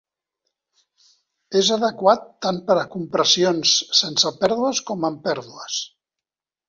És adequat tant per a compressions sense pèrdues com amb pèrdues.